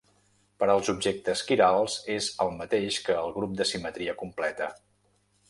Per als objectes quirals és el mateix que el grup de simetria completa.